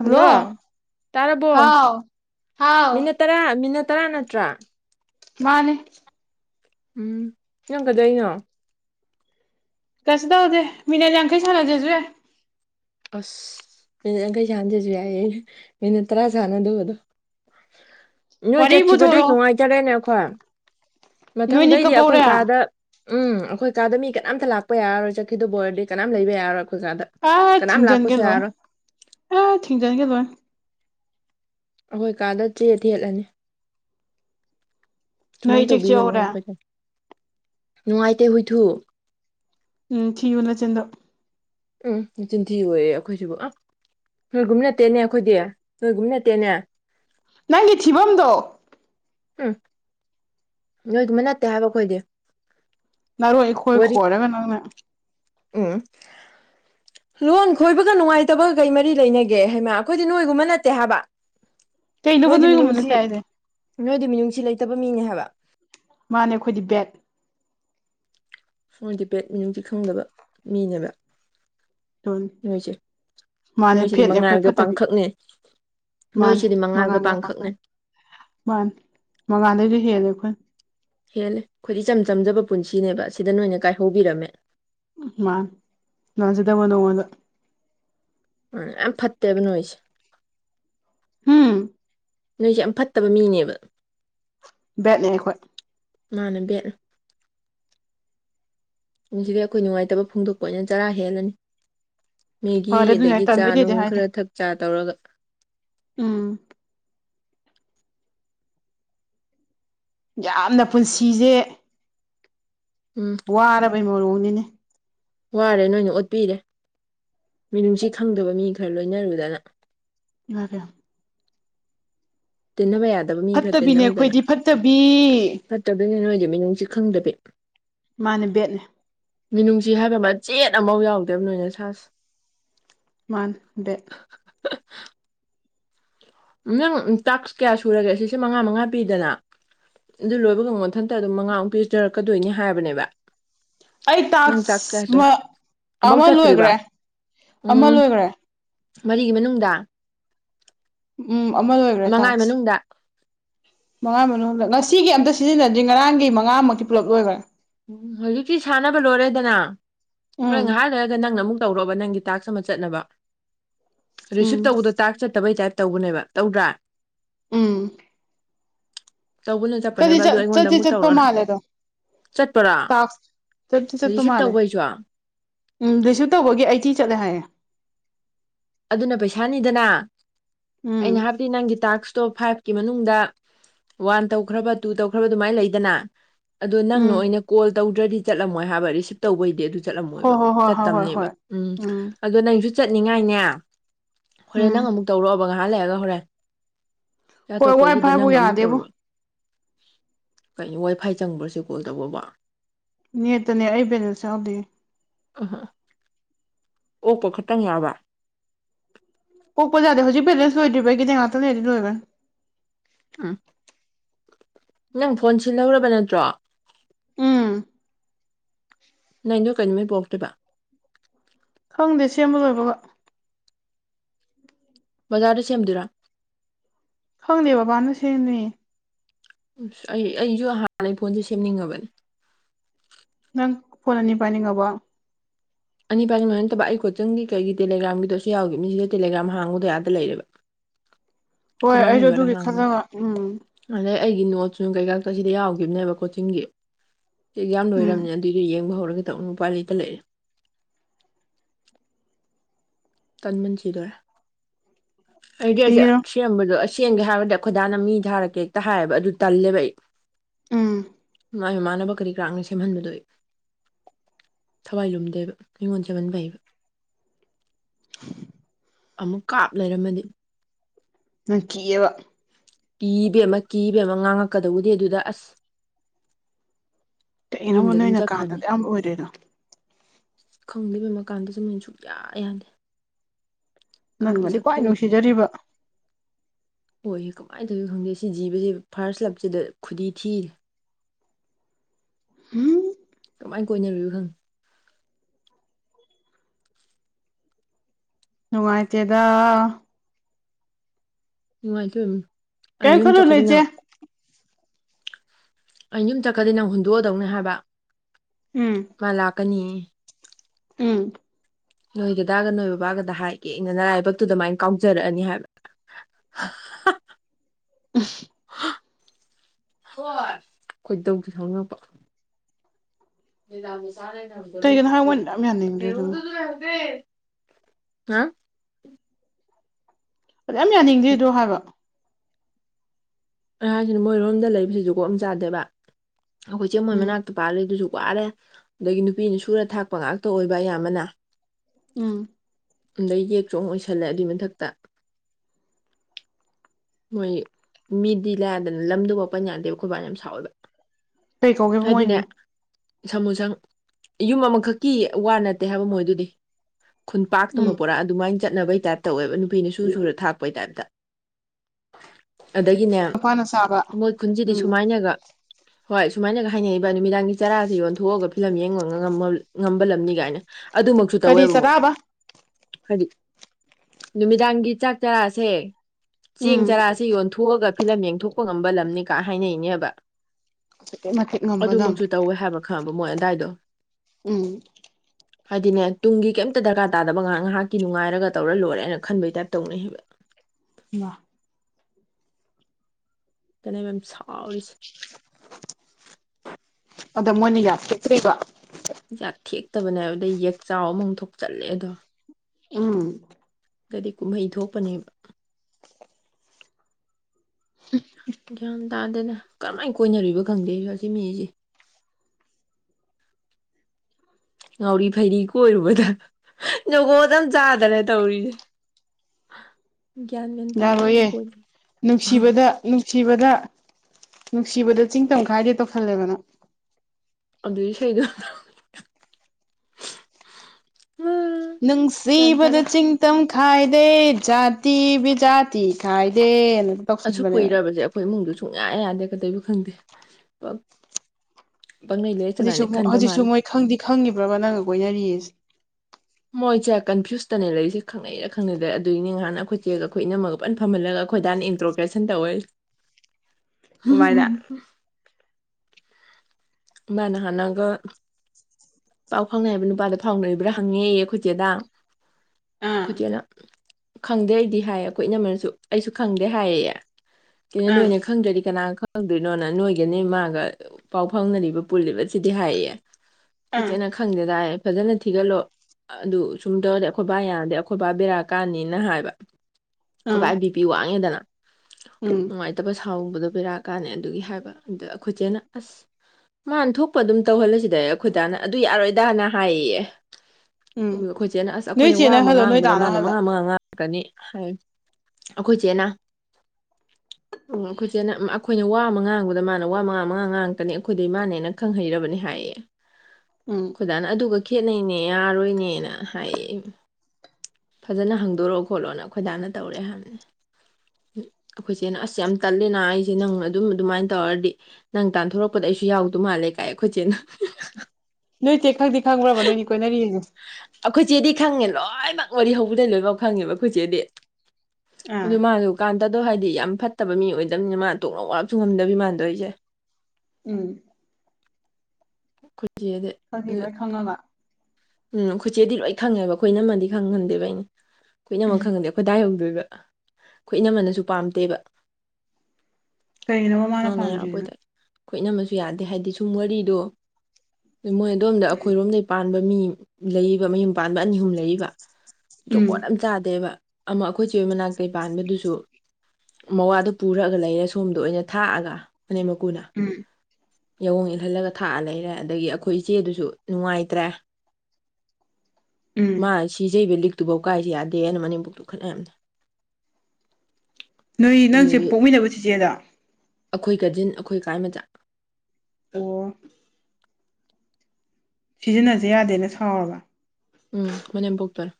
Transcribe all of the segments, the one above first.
hello ꯇꯥꯔꯕꯣ ꯍꯥꯎ ꯍꯥꯎ ꯃꯤꯅꯠ ꯇꯔꯥ ꯃꯤꯅꯠ ꯇꯔꯥ ꯅꯠꯇ꯭ꯔꯥ ꯃꯥꯅꯦ ꯎꯝ ꯌꯥꯝꯪ ꯀꯗꯅꯣ ꯀꯁ ꯇꯧꯗꯦ ꯃꯤꯅꯥꯖ ꯑꯡꯈꯩꯁꯂ ꯖꯨ ꯑꯁ ꯀꯩ ꯆꯥꯟꯁꯦꯁ ꯌꯥꯏ ꯃꯅ ꯇ꯭ꯔꯥ ꯁꯅ ꯑꯗꯨꯕꯗꯣ ꯅꯣꯏ ꯋꯥꯔꯤ ꯆꯠꯈꯤꯕꯗꯩ ꯄꯨꯊꯣꯔꯛꯑꯣ ꯅꯨꯡꯉꯥꯏꯖꯔꯦꯅꯦ ꯑꯩꯈꯣꯏ ꯅꯣꯏ ꯅꯤꯛ ꯃꯊꯪꯗꯩꯗꯤ ꯑꯩꯈꯣꯏ ꯀꯞꯄꯧꯔꯦ ꯀꯥꯗ ꯎꯝ ꯑꯩꯈꯣꯏ ꯀꯥꯗ ꯃꯤ ꯀꯅꯥꯝꯇ ꯂꯥꯛꯄ ꯌꯥꯔꯔꯣꯏ ꯆꯠꯈꯤꯗꯕꯨ ꯑꯣꯏꯔꯗꯤ ꯀꯅꯥꯝ ꯂꯩꯕ ꯌꯥꯔꯣꯏ ꯑꯩꯈꯣꯏ ꯀꯥꯗ ꯀꯅꯥꯝ ꯊꯤꯡꯖꯒꯦ ꯂꯥꯛꯄꯁꯨ ꯂꯣꯏ ꯌꯥꯔꯣꯏ ꯑ ꯊꯤꯡꯖꯒꯦ ꯂꯣꯏ ꯑꯩꯈꯣꯏ ꯀꯥꯗ ꯆꯦ ꯊꯦꯠꯂꯅꯤ ꯅꯣꯏ ꯁꯨꯃꯥꯏꯅ ꯏꯆꯦꯛ ꯇꯧꯕꯤꯒꯅꯨ ꯆꯤꯛꯍꯧꯔꯦ ꯑꯩꯈꯣꯏꯅ ꯅꯨꯡꯉꯥꯏꯇꯦ ꯍꯨꯏꯊꯨ ꯎꯝ ꯊꯤꯅ ꯆꯗ ꯎꯝ ꯆꯤꯟꯊꯤ ꯑꯣꯏꯌꯦꯦ ꯑꯩꯈꯣꯏꯁꯤꯕꯨ ꯑ ꯅꯣꯏꯒꯨꯝꯕ ꯅꯠꯇꯦꯅꯦ ꯑꯩꯈꯣꯏꯗꯤ ꯅꯣꯏꯒꯨꯝ ꯅꯠꯇꯦꯅꯦ ꯅꯪꯒꯤ ꯊꯤꯕꯝꯗꯣ ꯎꯝ ꯅꯣꯏꯗꯨꯃ ꯅꯠꯇꯦ ꯍꯥꯏꯕ ꯑꯩꯈꯣꯏꯗꯤ ꯅꯔꯣꯏ ꯑꯩ ꯈꯣꯏ ꯋꯥꯔꯤ ꯈꯣꯏꯔꯒ ꯅꯪꯅ ꯎꯝ ꯂꯣꯟ ꯈꯣꯏꯕꯒ ꯅꯨꯡꯉꯥꯏꯇꯕꯒ ꯀꯩ ꯃꯔꯤ ꯂꯩꯅꯒꯦ ꯍꯩꯃ ꯑꯩꯈꯣꯏꯗꯤ ꯅꯣꯏꯒꯨꯝꯕ ꯅꯠꯇꯦ ꯍꯥꯏꯕ ꯀꯩꯅꯣꯕ ꯅꯣꯏꯗꯤ ꯅꯣꯏꯒꯨꯝꯕꯅ ꯃꯤꯅꯨꯡꯁꯤ ꯇꯥꯏꯗꯣ ꯅꯣꯏꯗꯤ ꯃꯤꯅꯨꯡꯁꯤ ꯂꯩꯇꯕ ꯃꯤꯅꯦ ꯍꯥꯏꯕ ꯃꯥꯅꯦ ꯑꯩꯈꯣꯏꯗꯤ ꯕꯦꯒ ꯁꯣꯗꯤ ꯄꯦꯠ ꯃꯤꯅꯨꯡꯇꯤ ꯈꯪꯗꯕ ꯃꯤꯅꯦꯕ ꯂꯣꯟꯅꯤ ꯅꯣꯏꯁꯦ ꯃꯥꯅꯦ ꯅꯣꯏꯁꯤꯗꯤ ꯐꯦꯠꯅꯦ ꯑꯩꯈꯣꯏ ꯃꯉꯥꯔꯒ ꯐꯠꯇꯕꯤ ꯄꯥꯡꯈꯛꯅꯦ ꯅꯣꯏꯁꯤꯗꯤ ꯃꯉꯥꯒ ꯄꯥꯡꯈꯛꯅꯦ ꯃꯥꯟ ꯃꯉꯥꯗꯩꯁꯨ ꯍꯦꯜꯂꯦ ꯑꯩꯈꯣꯏ ꯍꯦꯜꯂꯦ ꯈꯈꯣꯏꯗꯤ ꯏꯆꯝ ꯆꯝꯖꯕ ꯄꯨꯟꯁꯤꯅꯦꯕ ꯁꯤꯗ ꯅꯣꯏꯅ ꯀꯥꯏꯍꯧꯕꯤꯔꯝꯃꯦ ꯃꯥ ꯅꯟꯁꯤꯗ ꯃꯅ ꯋꯥꯗ ꯎꯝ ꯌꯥꯝ ꯐꯠꯇꯦꯕ ꯅꯣꯏꯁꯦ ꯎꯝ ꯅꯣꯏꯁꯦ ꯌꯥꯝ ꯐꯠꯇꯕ ꯃꯤꯅꯦꯕ ꯕꯦꯠꯅꯦ ꯑꯩꯈꯣꯏ ꯃꯥꯅꯦꯕꯠ ꯁꯤꯗ ꯑꯩꯈꯣꯏ ꯅꯨꯡꯉꯥꯏꯇꯕ ꯐꯣꯡꯗꯣꯛꯄꯅ ꯆꯔꯥ ꯍꯦꯜꯂꯅꯤ ꯃꯦꯒꯤ ꯐꯔꯦ ꯑꯗꯨꯅ ꯑꯗꯒꯤ ꯆꯥ ꯇꯟꯕꯩꯗꯤꯗꯤ ꯅꯨꯡ ꯍꯥꯏꯗꯦ ꯈꯔ ꯊꯛ ꯆꯥ ꯇꯧꯔꯒ ꯎꯝ ꯌꯥꯝꯅ ꯄꯨꯟꯁꯤꯁꯦ ꯎꯝ ꯋꯥꯔꯕꯩ ꯃꯣꯔꯣꯛꯅꯤꯅꯦ ꯋꯥꯔꯦ ꯅꯣꯏꯅ ꯑꯣꯠꯄꯤꯔꯦ ꯃꯤꯅꯨꯡꯁꯤ ꯈꯪꯗꯕ ꯃꯤ ꯈꯔ ꯂꯣꯏꯅꯔꯨꯗꯅ ꯔꯦ ꯇꯤꯟꯅꯕ ꯌꯥꯗꯕ ꯃꯤ ꯈꯔ ꯐꯠꯇꯕꯤꯅꯦ ꯇꯤꯟꯅꯍꯧꯗꯅ ꯑꯩꯈꯣꯏꯗꯤ ꯐꯠꯇꯕꯤ ꯐꯠꯇꯗꯨꯅꯦ ꯅꯣꯏꯗ ꯃꯤꯅꯨꯡꯁꯤ ꯈꯪꯗꯕꯤ ꯃꯥꯅꯦ ꯕꯦꯠꯂ ꯃꯤꯅꯨꯡꯁꯤ ꯍꯥꯏꯕ ꯑꯃ ꯆꯦꯠ ꯑꯃꯐꯥꯎ ꯌꯥꯎꯗꯦꯕ ꯅꯣꯏꯅ ꯁꯥꯁ ꯃꯥꯥꯟꯗꯦ ꯅꯪ ꯇꯥꯛꯁ ꯀꯌꯥ ꯁꯨꯔꯒꯦ ꯁꯤꯁꯦ ꯃꯉꯥ ꯃꯉꯥ ꯄꯤꯗꯅ ꯑꯗꯨ ꯂꯣꯏꯕꯒ ꯃꯊꯟꯇ ꯑꯗꯨꯝ ꯃꯉꯥꯃꯨꯛ ꯄꯤꯖꯔꯛꯀꯗꯣꯏꯅꯤ ꯍꯥꯏꯕꯅꯦꯕ ꯑꯩ ꯅꯪ ꯀꯌꯥ ꯁꯨꯔꯦ ꯇꯥꯛꯁ ꯑꯝꯐꯥꯎ ꯑꯃ ꯂꯣꯏꯈ꯭ꯔꯦ ꯆꯠꯇ꯭ꯔꯤꯕ ꯑꯃ ꯎꯝ ꯂꯣꯏꯈ꯭ꯔꯦ ꯃꯔꯤꯒꯤ ꯃꯅꯨꯡꯗ ꯎꯝ ꯑꯃ ꯂꯣꯏꯈ꯭ꯔꯦ ꯃꯉꯥꯏ ꯇꯥꯛꯁ ꯃꯅꯨꯡꯗ ꯃꯉꯥ ꯃꯅꯨꯡꯗ ꯉꯁꯤꯒꯤ ꯑꯝꯇ ꯁꯤꯖꯤꯟꯅꯗ꯭ꯔꯤ ꯉꯔꯥꯡꯒꯤ ꯃꯉꯥꯃꯨꯛꯀꯤ ꯄꯨꯂꯞ ꯂꯣꯏꯈ꯭ꯔꯥ ꯎ ꯍꯧꯖꯤꯛꯇꯁꯤꯤ ꯁꯥꯟꯅꯕ ꯂꯣꯏꯔꯦꯗꯅ ꯑꯩꯣꯏ ꯎꯝ ꯉꯥꯏꯍꯥꯛ ꯂꯩꯔꯒ ꯅꯪꯅ ꯑꯃꯨꯛ ꯇꯧꯔꯛꯕ ꯅꯪꯒꯤ ꯇꯥꯛꯁ ꯑꯃ ꯆꯠꯅꯕ ꯔꯤꯁꯤꯞ ꯎꯝ ꯇꯧꯕꯗꯣ ꯇꯥꯛꯁ ꯆꯠꯇꯕꯩ ꯇꯥꯏꯞ ꯇꯧꯕꯅꯦꯕ ꯇꯧꯗ꯭ꯔꯥ ꯎꯝ ꯇꯧꯕꯅ ꯆꯠꯗꯤ ꯆꯠꯄꯅꯦꯕ ꯑꯗꯨ ꯆꯠ ꯑꯩꯉꯣꯟꯗ ꯆꯗꯤ ꯑꯃꯨꯛ ꯆꯠꯄ ꯇꯧꯔꯛꯑꯣꯅ ꯃꯥꯂꯦꯗꯣ ꯆꯠꯄꯔꯥ ꯇꯥꯁ ꯆ ꯆꯁꯦ ꯔꯤꯁꯤꯞ ꯇꯨꯃꯅꯦ ꯇꯧꯕꯩꯁꯨ ꯎꯝ ꯑꯗꯨꯩꯁꯨ ꯇꯧꯕꯒꯤ ꯑꯩꯇꯤ ꯆꯠꯂꯦ ꯍꯥꯏꯌꯦ ꯑꯗꯨꯅ ꯄꯩꯁꯥꯅꯤꯗꯅ ꯎꯝ ꯑꯩꯅ ꯍꯥꯞꯇ ꯅꯪꯒꯤ ꯇꯥꯛꯁ ꯇꯣꯞ ꯐꯥꯏꯚꯀꯤ ꯃꯅꯨꯡꯗ ꯋꯥꯟ ꯇꯧꯈ꯭ꯔꯕ ꯇꯨ ꯇꯧꯈ꯭ꯔꯕ ꯑꯗꯨꯃꯥꯏꯅ ꯂꯩꯗꯅ ꯑꯗꯣ ꯅꯪꯅ ꯎꯝ ꯑꯣꯏꯅ ꯀꯣꯜ ꯇꯧꯗ꯭ꯔꯗꯤ ꯆꯠꯂꯝꯃꯣꯏ ꯍꯥꯏꯕ ꯔꯤꯁꯤꯞ ꯇꯧꯕꯩꯗꯤ ꯑꯗꯨ ꯍꯣꯏ ꯆꯠꯂꯝꯃꯣꯏꯕ ꯍꯣꯏ ꯍꯣꯏ ꯍꯣꯏ ꯍꯣꯏ ꯆꯠꯇꯕꯅꯦꯕ ꯍꯣꯏ ꯎꯝ ꯑꯗꯣ ꯅꯪꯁꯨ ꯆꯠꯅꯤꯡꯉꯥꯏꯅꯦ ꯍꯣꯔꯦꯟ ꯅꯪ ꯎꯝ ꯑꯃꯨꯛ ꯇꯧꯔꯛꯑꯣꯕ ꯉꯥꯏꯍꯥꯟ ꯂꯩꯑꯒ ꯍꯣꯔꯦꯟ ꯍꯣꯏ ꯋꯥꯏ ꯆꯥꯊꯣꯛꯄꯩꯗꯨꯗ ꯐꯥꯏꯕꯨ ꯅꯪ ꯑꯃꯨꯛ ꯌꯥꯗꯦꯕꯨ ꯇꯧꯔꯨꯔꯕ ꯀꯅꯤ ꯋꯥꯏꯐꯥꯏ ꯆꯪꯕ꯭ꯔꯁꯨꯦ ꯀꯣꯜ ꯇꯧꯕꯕ ꯅꯇꯅꯦ ꯑꯩ ꯕꯦꯅꯦꯁ ꯌꯥꯎꯗꯤ ꯑ ꯑꯣꯀꯣ ꯈꯇꯪ ꯌꯥꯕ ꯄꯣꯛꯄ ꯌꯥꯗꯦ ꯍꯧꯖꯤꯛ ꯕꯦꯂꯦꯟꯁ ꯂꯣꯏꯗ꯭ꯔꯤꯕ꯭ꯔꯥꯒꯤꯗꯤ ꯉꯥꯛꯇ ꯂꯩꯗꯤ ꯂꯣꯏꯕ꯭ꯔꯥ ꯑ ꯅꯪ ꯐꯣꯟ ꯁꯤꯜꯍꯧꯔꯕ ꯅꯠꯇ꯭ꯔꯣ ꯎꯝ ꯅꯗꯣ ꯀꯩꯩꯅꯣꯃꯤꯩ ꯄꯇ꯭ꯕ ꯈꯪꯗꯦ ꯁꯦꯝꯕ ꯂꯣꯏꯕꯒ ꯕꯖꯥꯔꯗ ꯁꯦꯝꯗꯨꯔꯥ ꯈꯪꯗꯦ ꯕꯕꯥꯅ ꯁꯦꯝꯦꯡꯅꯌꯦ ꯎ ꯑꯩ ꯑꯩꯁꯨ ꯍꯥꯟꯅꯩ ꯐꯣꯟꯁꯦ ꯁꯦꯝꯅꯤꯡꯉꯕꯅꯤ ꯅꯪ ꯐꯅꯅꯤ ꯄꯅꯤꯡꯉꯕ ꯑꯅꯤ ꯄꯥꯏꯃꯥꯏ ꯅꯠꯇꯕ ꯑꯩ ꯀꯣꯆꯤꯡꯒꯤ ꯀꯩꯒꯤ ꯇꯦꯂꯒ꯭ꯔꯥꯝꯒꯤꯗꯣꯁꯨ ꯌꯥꯎꯒꯦ ꯃꯤꯁꯤꯗ ꯇꯦꯂꯒ꯭ꯔꯥꯝ ꯍꯥꯡꯕꯗ ꯑꯗ ꯂꯩꯔꯦꯕ ꯍꯣꯏ ꯑꯩꯁꯨ ꯀꯃꯥꯏꯅꯕꯔ ꯑꯗꯨꯒꯤ ꯉ ꯈꯜꯂꯒ ꯎꯝ ꯑꯗ ꯑꯩꯒꯤ ꯅꯣꯠꯁꯨ ꯀꯩꯀꯥꯇ ꯁꯤꯗ ꯌꯥꯎꯈꯤꯕꯅꯦꯕ ꯀꯣꯆꯤꯡꯒꯤ ꯑꯦꯛꯖꯥꯝ ꯎꯝ ꯂꯣꯏꯔꯝꯅꯦ ꯑꯗꯨꯏꯗꯣ ꯌꯦꯡꯕ ꯍꯧꯔꯛꯑꯦ ꯈꯤꯇ ꯅꯨꯄꯥꯂꯤꯗ ꯂꯩꯔꯦ ꯇꯟꯃꯟꯁꯤꯗꯔꯦ ꯑꯩꯗꯤ ꯑꯁꯦ ꯁꯤꯒꯤꯔꯣ ꯁꯦꯝꯕꯗꯣ ꯑꯁ ꯁꯦꯝꯒꯦ ꯍꯥꯏꯔꯕꯗ ꯈꯣꯏꯗꯥꯅ ꯃꯤ ꯊꯥꯔꯛꯀꯦ ꯍꯦꯛꯇ ꯍꯥꯏꯌꯦꯕ ꯑꯗꯨ ꯇꯜꯂꯦꯕ ꯑꯩ ꯎꯝ ꯃꯥꯏ ꯃꯃꯥꯟꯅꯕ ꯀꯔꯤ ꯀꯔꯥꯅ ꯁꯦꯝꯍꯟꯕꯗꯣꯏ ꯊꯋꯥꯏ ꯂꯨꯝꯗꯦꯕ ꯅꯤꯉꯣꯟꯜ ꯆꯦꯃꯟꯕꯩꯕ [unintelligible] ꯑꯃꯨꯛ ꯀꯥꯞ ꯂꯩꯔꯝꯃꯗꯤ ꯅ ꯀꯤꯑꯦꯕ ꯀꯤꯕꯦꯝꯃ ꯀꯤꯕꯦꯝꯃ ꯉꯥꯡꯉꯛꯀꯗꯧꯕꯗꯤ ꯑꯗꯨꯗ ꯑꯁ ꯀꯩꯅꯣꯕ ꯌꯨꯝꯗ ꯑꯗꯨꯝ ꯅꯣꯏ ꯀꯥꯟꯇ ꯗꯨꯌꯥꯝ ꯑꯣꯏꯔꯦꯗꯣ ꯈꯪꯗꯕ ꯀꯥꯟꯗꯁꯨ ꯃꯣꯏ ꯁꯨꯛꯌꯥ ꯌꯥꯗꯦ ꯀꯥꯟꯇ ꯅꯪꯒꯗꯤ ꯁꯛꯊꯨ ꯈ꯭ꯋꯥꯏ ꯅꯨꯡꯁꯤꯖꯔꯤꯕ ꯍꯣꯏꯍꯦ ꯀꯃꯥꯏꯅ ꯇꯧꯒꯦ ꯈꯪꯗꯦ ꯁꯤ ꯖꯤꯕꯁꯦ ꯐꯥꯔꯁ ꯂꯞꯁꯤꯗ ꯈꯨꯗꯤ ꯊꯤꯔꯦ ꯍꯨꯝ ꯃꯥꯏꯟ ꯀꯣꯏꯅꯔꯨꯏꯕ ꯈꯪ ꯅꯨꯡꯃꯥꯏꯇꯦꯗ ꯅꯨꯡꯥꯏꯇꯨꯝ ꯀꯦꯝ ꯈꯂꯨꯅꯨ ꯏꯆꯦ ꯑꯩ ꯌꯨꯝꯗꯀꯗꯤ ꯅꯪ ꯍꯨꯟꯗꯣꯛꯑꯗꯧꯅꯦ ꯍꯥꯏꯕ ꯎꯝ ꯃꯥ ꯂꯥꯛꯀꯅꯤꯌꯦ ꯎꯝ ꯅꯣꯏꯗꯗꯥꯒ ꯅꯣꯏ ꯕꯕꯥꯒꯗ ꯍꯥꯏꯒꯦ ꯑꯩꯅ ꯅꯔꯥꯏ ꯕꯛꯇꯨ ꯃꯥꯏꯟ ꯀꯥꯎꯖꯔꯛꯑꯅꯤ ꯍꯥꯏꯕ [unintelligible] ꯎ [unintelligible] ꯍꯣ ꯈꯣꯏꯗꯧꯁꯦ ꯁꯥꯎꯅꯤꯡꯉꯛꯄ ꯂꯩ ꯂꯕ ꯁꯔꯦꯅꯗꯧ ꯀꯩꯒꯤꯅꯣ ꯍꯥꯏ ꯇꯇꯤ ꯃꯣꯏꯅ ꯌꯥꯝ ꯐꯕꯨ ꯌꯥꯅꯤꯡꯗ꯭ꯔꯤꯗꯨꯕꯨ ꯑꯗꯨ ꯑꯗꯨ ꯂꯗꯦ ꯍꯥ ꯌꯥꯝ ꯌꯥꯅꯤꯡꯗꯦꯗꯣ ꯍꯥꯏꯕ ꯑꯩ ꯍꯥꯏꯁꯤꯅ ꯃꯣꯏꯔꯣꯝꯗ ꯂꯩꯕꯁꯤꯁꯨ ꯀꯣꯝ ꯆꯥꯗꯦꯕ ꯑꯩꯈꯣꯏ ꯆꯦ ꯃꯣꯏ ꯎꯝ ꯃꯅꯥꯛꯇ ꯄꯥꯜꯂꯤꯗꯨꯁꯨ ꯋꯥꯔꯦ ꯑꯗꯒꯤ ꯅꯨꯄꯤꯅ ꯁꯨꯔ ꯊꯥꯛꯄ ꯉꯥꯛꯇ ꯑꯣꯏꯕ ꯑꯌꯥꯝꯕꯅ ꯎꯝ ꯑꯗꯩꯩ ꯌꯦꯛ ꯁꯨ ꯑꯃꯨꯛ ꯑꯣꯏꯁꯜꯂꯦ ꯑꯗꯨꯏ ꯃꯊꯛꯇ ꯃꯣꯏ ꯃꯤꯗꯤ ꯂꯗꯅ ꯂꯝꯗꯨꯕꯄꯟ ꯌꯥꯗꯦꯕ ꯈꯨꯣꯏꯕꯥꯅ ꯌꯥꯝ ꯁꯥꯎꯋꯦꯕ ꯀꯩ ꯀꯧꯒꯦ ꯃꯣꯏꯅꯣ ꯁꯥꯃꯨꯁꯪ ꯌꯨꯝ ꯑꯃꯈꯛꯀꯤ ꯋꯥ ꯅꯠꯇꯦ ꯍꯥꯏꯕ ꯃꯣꯏ ꯑꯗꯨꯗꯤ ꯈꯨꯟꯄꯥꯛꯇꯨꯕ ꯎꯝ ꯄꯨꯔꯥ ꯑꯗꯨꯃꯥꯏꯅ ꯆꯠꯅꯕꯩ ꯇꯥꯏꯞꯇꯧꯋꯦꯕ ꯅꯨꯄꯤꯅ ꯁꯨꯔ ꯁꯨꯔ ꯊꯥꯛꯄꯩ ꯇꯥꯏꯞꯇ ꯑꯗꯒꯤꯅꯦ ꯃꯄꯥꯅ ꯆꯥꯕ ꯃꯣꯏ ꯈꯨꯟꯁꯤꯗꯤ ꯎꯝ ꯁꯨꯃꯥꯏꯅꯒ ꯍꯣꯏ ꯁꯨꯃꯥꯏꯅꯒ ꯍꯥꯏꯅꯩꯕ ꯅꯨꯃꯤꯗꯥꯡꯒꯤ ꯆꯥꯔꯥꯁꯦ ꯌꯣꯟꯊꯣꯛꯑꯒ ꯐꯤꯂꯝ ꯌꯦꯡꯕ ꯉꯝꯕ ꯂꯝꯅꯤ ꯀꯥꯏꯅ ꯑꯗꯨꯃꯛꯁꯨ ꯀꯔꯤ ꯇꯧꯋꯦꯕ ꯃꯣꯏ ꯆꯔꯥꯕ ꯍꯥꯏꯗꯤ ꯅꯨꯃꯤꯗꯥꯡꯒꯤ ꯆꯥꯛ ꯆꯔꯥꯁꯦ ꯆꯦꯡ ꯎꯝ ꯆꯥꯔꯥꯁꯤ ꯌꯣꯟꯊꯣꯛꯑꯒ ꯐꯤꯂꯝ ꯌꯦꯡꯊꯣꯛꯄ ꯉꯝꯕ ꯂꯝꯅꯤ ꯀꯥ ꯍꯥꯏꯅꯩꯅꯦꯕ ꯑꯁꯨꯛꯀꯤ ꯃꯇꯤꯛ ꯉꯝꯕꯗꯝ ꯑꯗꯨꯃꯛꯁꯨ ꯇꯧꯋꯦ ꯍꯥꯏꯕ ꯈꯕ ꯃꯣꯏ ꯑꯗꯥꯏꯗꯣ ꯎꯝ ꯍꯥꯏꯗꯤꯅꯦ ꯇꯨꯡꯒꯤ ꯀꯩꯝꯇ ꯗꯔꯀꯥꯔ ꯇꯥꯗꯕ ꯉꯥꯏꯍꯥꯛ ꯉꯥꯏꯍꯥꯛꯀꯤ ꯅꯨꯡꯉꯥꯏꯔꯒ ꯇꯧꯔ ꯂꯣꯏꯔꯦꯅ ꯈꯟꯕꯩ ꯇꯥꯏꯞ ꯇꯧꯅꯩꯌꯦꯕ ꯃꯥ ꯀꯅ ꯃꯦꯝ ꯁꯥꯎꯔꯤꯁꯦ ꯑꯗ ꯃꯣꯏꯅ ꯌꯥꯝ ꯊꯦꯛꯇꯔꯦꯇꯦꯕ ꯊꯦꯛꯇꯕꯅꯦꯕꯗ ꯌꯦꯛꯆꯥꯎ ꯑꯃꯃꯨꯛ ꯊꯣꯛꯆꯜꯂꯦ ꯑꯗꯣ ꯎꯝ ꯒꯗꯤ ꯀꯨꯝꯍꯩ ꯊꯣꯛꯄꯅꯦꯕ ꯒ꯭ꯌꯥꯟ ꯇꯥꯗꯅ ꯀꯔꯝꯃꯥꯏꯅ ꯀꯣꯏꯅꯅꯣ ꯈꯪꯗꯦꯁꯨ ꯁꯤ ꯃꯤꯁꯦ ꯉꯥꯎꯔꯤ ꯐꯩꯔꯤ ꯀꯣꯏꯔꯨꯕꯗꯒꯣ ꯑꯗꯨꯝ ꯆꯥꯗꯅ ꯇꯧꯔꯤꯁꯦ ꯭ꯟꯒꯟꯇꯥꯇꯅꯤ ꯌꯥꯔꯣꯏꯌꯦ ꯀꯣꯏ ꯅꯨꯡꯁꯤꯕꯗ ꯅꯨꯡꯁꯤꯕꯗ ꯅꯨꯡꯁꯤꯕꯗ ꯆꯤꯡ ꯇꯝ ꯈꯥꯏꯗꯤ ꯇꯧꯁꯜꯂꯦꯕꯅ ꯑꯕꯗꯨꯜ ꯁꯍꯤꯗ ꯒ꯭ꯌꯥꯟ ꯅꯨꯡꯁꯤꯕꯗ ꯇꯥꯗ ꯆꯤꯡꯇꯝ ꯈꯥꯏꯗꯦ ꯥꯇ ꯕꯤꯖꯥꯇ ꯈꯥꯏꯗꯦ ꯑꯁꯨꯛ ꯀꯨꯏꯔꯕꯁꯦ ꯑꯩꯈꯣꯏ ꯏꯃꯨꯡꯗ ꯁꯨꯡꯌꯥ ꯌꯥꯗꯦ ꯀꯗꯣꯏꯕ ꯈꯪꯗꯦ ꯄꯪꯂꯩ ꯂꯩꯔ ꯍꯧꯖꯤꯛꯁꯨ ꯁꯅꯥꯏꯅ ꯈꯟꯗ ꯍꯧꯖꯤꯛꯁꯨ ꯃꯥꯜꯂꯦ ꯃꯣꯏ ꯈꯪꯗꯤ ꯈꯪꯉꯤꯕ꯭ꯔꯕ ꯅꯪꯒ ꯀꯣꯏꯅꯔꯤꯌꯦꯁꯦ ꯃꯣꯏꯁꯦ ꯀꯟꯐ꯭ꯌꯨꯁꯇꯅꯦ ꯂꯩꯔꯤꯁꯦ ꯈꯪꯅꯩꯔꯥ ꯈꯪꯅꯩꯗꯦ ꯑꯗꯨꯏꯅꯤ ꯉꯍꯥꯟ ꯑꯩꯈꯣꯏꯆꯦꯒ ꯑꯩꯈꯣꯏ ꯏꯅꯝꯃꯒ ꯄꯨꯟꯅ ꯐꯝꯍꯜꯂꯒ ꯑꯩꯈꯣꯏꯗꯥꯅ ꯏꯟꯇ꯭ꯔꯣꯄ꯭ꯔꯦꯁꯟ ꯇꯧꯋꯏ ꯀꯃꯥꯏꯅ ꯅ ꯍꯅꯒ ꯄꯥꯎ ꯐꯥꯎꯅꯏ ꯍꯥꯏꯕ ꯅꯨꯄꯥꯗꯣ ꯊꯥꯎꯅꯕ꯭ꯔꯥ ꯍꯪꯉꯦ ꯑꯩꯈꯣꯏꯆꯦꯗꯥ ꯑꯥ ꯈꯨꯗꯤꯦꯅ ꯈꯪꯗꯦ ꯑꯩꯗꯤ ꯍꯥꯏꯌꯦ ꯑꯩꯈꯣꯏ ꯏꯅꯃꯅꯁꯨ ꯑꯩꯁꯨ ꯈꯪꯗꯦ ꯍꯥꯏꯔꯌꯦꯦ ꯀꯩꯅ ꯑꯥ ꯅꯣꯏꯅ ꯈꯪꯗ꯭ꯔꯗꯤ ꯀꯅꯥ ꯈꯪ ꯐꯪꯗꯣꯏꯅꯣꯅ ꯅꯣꯏꯒꯅꯦ ꯃꯥꯒ ꯄꯥꯎ ꯐꯥꯎꯅꯔꯤꯕ ꯄꯨꯜꯂꯤꯕ ꯁꯤꯗꯤ ꯍꯥꯏꯌꯦ ꯑꯩ ꯑꯥ ꯀꯦꯅ ꯈꯪꯗꯦ ꯇꯦ ꯐꯖꯅ ꯊꯤꯒꯠꯂꯣ ꯑꯗꯨ ꯁꯨꯝ ꯇꯧꯔꯗꯤꯦ ꯑꯩꯈꯣꯏꯕꯥ ꯌꯥꯗꯦ ꯑꯩꯈꯣꯏ ꯕꯥ ꯕꯦꯔꯥ ꯀꯥꯟꯅꯤꯅ ꯍꯥꯏꯕ ꯀꯣꯏꯚ ꯎꯝ ꯕꯤ ꯄꯤ ꯋꯥꯡꯉꯦꯗꯅ ꯎꯝ ꯅꯨꯡꯉꯥꯏꯇꯕ ꯁꯥꯎꯕꯗ ꯕꯤꯔ ꯀꯥꯟꯅꯦ ꯑꯗꯨꯒꯤ ꯍꯥꯏꯕ ꯑꯗ ꯑꯩꯈꯣꯏꯆꯦꯅ ꯑꯁ ꯃꯥꯅ ꯊꯣꯛꯄ ꯑꯗꯨꯝ ꯇꯧꯍꯜꯂꯁꯤꯗ ꯑꯩꯈꯣꯏꯗꯥꯅ ꯑꯗꯨ ꯌꯥꯔꯣꯏꯗꯅ ꯍꯥꯏꯌꯦꯌꯦ ꯎꯝ ꯑꯗꯨ ꯑꯩꯈꯣꯏꯁꯦꯅ ꯑꯁ ꯅꯣꯏ ꯑꯩꯈꯣꯏꯅ ꯋꯥ ꯆꯦꯅ ꯑꯃ ꯍꯜꯂꯣ ꯅꯣꯏ ꯉꯥꯡꯕꯗ ꯗꯥꯅ ꯃꯥꯅ ꯍꯜꯂꯣ ꯃꯉꯥ ꯃꯉꯥ ꯉꯥꯡꯉꯛꯀꯅꯤ ꯍꯣꯏ ꯑꯩꯈꯣꯏꯆꯦꯅ ꯎꯝ ꯑꯩꯈꯣꯏꯆꯦꯅ ꯑꯩꯈꯣꯏꯅ ꯋꯥ ꯑꯃ ꯉꯥꯡꯕꯗ ꯃꯥꯅ ꯋꯥ ꯃꯉꯥ ꯑꯃꯉꯥ ꯉꯥꯡꯉꯛꯇꯅꯤ ꯑꯩꯈꯣꯏꯗꯩ ꯃꯥꯅꯦꯅ ꯈꯪꯍꯩꯔꯕꯅꯦ ꯍꯥꯏꯌꯦ ꯎꯝ ꯈꯨꯗꯥꯅ ꯑꯗꯨꯒ ꯈꯦꯅꯩꯅꯦ ꯌꯥꯔꯣꯏꯅꯦꯅ ꯍꯥꯏꯌꯦ ꯑꯩ ꯐꯖꯅ ꯍꯥꯡꯗꯣꯔꯣꯑꯣ ꯈꯣꯠꯂꯣꯅ ꯈꯣꯏꯗꯥꯅ ꯇꯧꯔꯦ ꯍꯥꯏꯕꯅꯤ ꯑꯩꯈꯣꯏꯁꯦ ꯑꯁ ꯌꯥꯝ ꯇꯂꯦꯅ ꯑꯩꯁꯦ ꯅꯪꯅ ꯑꯗꯨꯝ ꯑꯗꯨꯃꯥꯏꯅ ꯇꯧꯔꯗꯤ ꯅꯪ ꯇꯥꯟꯊꯣꯔꯛꯄꯗ ꯑꯩ ꯀꯩꯁꯨ ꯌꯥꯎꯗꯧ ꯃꯥꯜꯂꯦ ꯀꯥꯏ ꯑꯩꯈꯣꯏꯁꯦꯅ ꯅꯣꯏꯇꯦ ꯈꯛꯇꯗꯤ ꯈꯪꯉꯨꯔꯕ ꯅꯣꯏ ꯀꯣꯏꯅꯔꯤꯁꯦ ꯑꯩꯈꯣꯏꯆꯦꯗꯤ ꯈꯪꯉꯦ ꯂꯣꯏꯅꯃꯛ ꯋꯥꯔꯤ ꯍꯧꯕꯗꯩ ꯂꯣꯏꯅꯐꯃꯛ ꯈꯪꯉꯦꯕ ꯑꯩꯈꯣꯏꯆꯦꯗꯤ ꯑꯗꯨ ꯑꯥ ꯃꯥꯁꯨ ꯀꯥꯟꯇ ꯑꯗꯣ ꯍꯥꯏꯗꯤ ꯌꯥꯝ ꯐꯠꯇꯕ ꯃꯤ ꯑꯣꯏꯗꯕꯅꯤꯅ ꯃꯥ ꯇꯣꯛꯅ ꯋꯥꯔꯁꯨ ꯉꯝꯗꯕꯤ ꯃꯥꯟꯗꯣ ꯑꯩꯁꯦ ꯎꯝ [inaudible] ꯐꯖꯤꯔꯣꯏ ꯈꯪꯉꯕ ꯎꯝ ꯑꯩꯈꯣꯏ ꯆꯦꯗꯤ ꯂꯣꯏ ꯈꯪꯉꯦꯕ ꯑꯩꯈꯣꯏꯅ ꯑꯃꯗꯤꯃꯗꯤ ꯈꯪꯍꯟꯗꯦꯕ ꯑꯩꯅ ꯑꯩꯈꯣꯏꯅꯃꯛ ꯎꯝ ꯈꯪꯍꯟꯗꯦ ꯈꯣꯏꯗꯥꯏꯍꯧꯗꯣꯏꯕ ꯈꯣꯏꯠꯅꯃꯅꯁꯨ ꯄꯥꯝꯇꯦꯕ ꯀꯩꯅ ꯋꯥ ꯃꯥꯅ ꯄꯥꯝꯖꯅ ꯈꯣꯏꯠꯅꯕꯁꯨ ꯌꯥꯗꯦ ꯍꯥꯏꯗꯤ ꯁꯨꯝ ꯋꯥꯔꯤꯗꯣ ꯃꯣꯏ ꯑꯗꯣꯝꯗ ꯑꯩꯈꯣꯏꯔꯣꯝꯗꯩ ꯄꯥꯟꯕ ꯃꯤ ꯂꯩꯔꯤꯕ ꯃꯌꯨꯝ ꯄꯥꯟꯕ ꯑꯅꯤ ꯑꯍꯨꯝ ꯂꯩꯔꯤꯕ ꯎꯝ ꯖꯣꯣꯟ ꯑꯃ ꯆꯥꯗꯦꯕ ꯑꯃ ꯑꯩꯈꯣꯏꯁꯨ ꯃꯅꯥꯛꯛꯇ ꯀꯩ ꯄꯥꯟꯕꯗꯨꯁꯨ ꯃꯋꯥꯗ ꯄꯨꯔꯒ ꯂꯩꯔꯦ ꯁꯣꯝꯗ ꯑꯣꯏꯅ ꯊꯥꯛꯑꯒ ꯑ ꯃꯒꯨꯅꯥ ꯎꯝ ꯌꯥꯋꯣꯡ ꯏꯜꯍꯜꯂꯒ ꯊꯥꯛꯑ ꯂꯩꯔꯦ ꯑꯗꯒꯤ ꯑꯩꯈꯣꯏ ꯏꯆꯦꯗꯨꯁꯨ ꯅꯨꯡꯉꯥꯏꯇ꯭ꯔꯦ ꯎꯝ ꯃꯥ ꯁꯤꯖꯩꯕꯦ ꯇꯨꯕꯧ ꯀꯥꯏꯁꯨꯦ ꯌꯥꯗꯦꯅ ꯃꯅꯤꯡꯄꯕꯨꯛꯇꯨ ꯈꯠꯅꯩꯕꯅꯦ ꯅꯣꯏ ꯅꯪꯁꯦ ꯄꯣꯛꯃꯤꯟꯅꯕ ꯆꯤꯆꯦꯗ ꯑꯩꯈꯣꯏ ꯀꯥꯖꯤꯟ ꯑꯩꯈꯣꯏ ꯀꯥꯏꯃꯆꯥ ꯑꯣ ꯁꯤꯖꯤꯟꯅꯁꯦ ꯌꯥꯗꯦꯅ ꯁꯥꯎꯔꯒ ꯎꯝ ꯃꯅꯌꯥꯝ ꯄꯣꯛꯇꯔ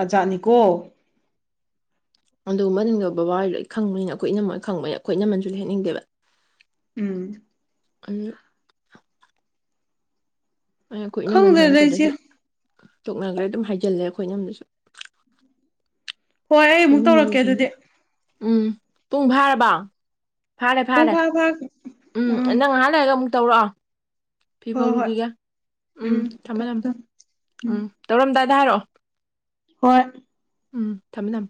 ꯥꯖꯥꯠꯅꯤꯀꯣ ꯑꯗꯨꯒ ꯃꯒꯤ ꯑꯣꯏ ꯕꯕꯥ ꯋꯥꯔꯤꯗꯣ ꯑꯩ ꯈꯪꯕꯅꯤꯅ ꯑꯩꯈꯣꯏ ꯏꯅꯝꯃꯣꯏꯅ ꯈꯪꯕꯅꯤ ꯑꯩꯈꯣꯏ ꯏꯅꯃꯟꯁꯨ ꯂꯩꯍꯅꯤꯡꯗꯦꯕ ꯎꯝ ꯑ ꯑ ꯑꯩ ꯀꯣꯏꯅꯃꯟ ꯈꯪꯗꯦꯗ ꯏꯆꯦ ꯍꯥꯡꯛꯄꯗꯁꯨ ꯇꯣꯛꯅꯈ꯭ꯔꯦ ꯑꯗꯨꯝ ꯍꯥꯏꯖꯤꯜꯂꯦ ꯑꯩꯈꯣꯏꯅꯝꯗꯁꯨ ꯍꯣꯏ ꯑꯩ ꯑꯃꯨꯛ ꯇꯧꯔꯛꯀꯦ ꯑꯗꯨꯗꯤ ꯎꯝ ꯄꯨꯡ ꯐꯔꯕ ꯐꯔꯦ ꯄꯨꯡ ꯐꯔꯦ ꯐꯥ ꯐꯥ ꯎꯝ ꯅꯪ ꯉꯍꯥꯟ ꯂꯩꯔꯒ ꯑꯃꯨꯛ ꯇꯧꯔ‌ꯛꯑꯣ ꯐꯤ ꯍꯣꯏ ꯍꯣꯏ ꯐꯥꯎꯔꯨꯈꯤꯦꯒ ꯎꯝ ꯊꯝꯃ ꯊꯝꯃꯣ ꯊꯝꯃ ꯊꯝꯃꯣ ꯎꯝ ꯇꯧꯔꯝꯗꯥꯏ ꯑꯔꯣ ꯍꯣꯏ ꯎꯝ ꯊꯝꯃꯦ ꯊꯝ